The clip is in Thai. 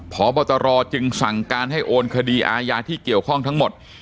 พบตรจึงสั่งการให้โอนคดีอาญาที่เกี่ยวข้องทั้งหมด